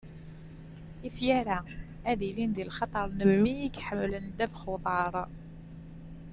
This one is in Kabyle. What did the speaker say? ifyar-a ad ilint di lxaṭer n mmi iḥemmlen ddabex n uḍar.